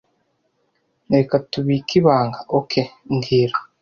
Reka tubike ibanga, OK mbwira